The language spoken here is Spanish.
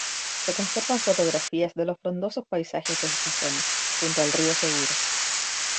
Se conservan fotografías de los frondosos paisajes de esta zona, junto al río Segura.